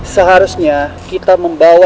seharusnya kita membawa